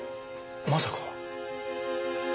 まさか。